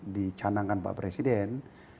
dicanangkan pak presiden